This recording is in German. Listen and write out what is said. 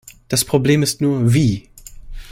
Das Problem ist nur, wie!